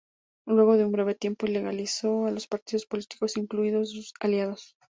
Luego de un breve tiempo, ilegalizó a los partidos políticos, incluidos sus aliados.